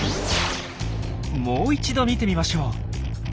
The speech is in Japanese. もう一度見てみましょう。